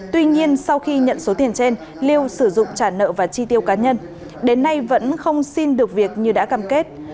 tuy nhiên sau khi nhận số tiền trên liêu sử dụng trả nợ và chi tiêu cá nhân đến nay vẫn không xin được việc như đã cam kết